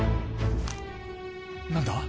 何だ？